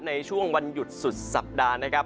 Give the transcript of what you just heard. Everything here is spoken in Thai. ในช่วงวันหยุดสุดสัปดาห์นะครับ